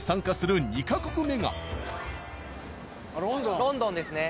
続いてロンドンですね。